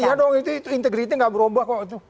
iya iya dong itu integritnya gak berubah kok itu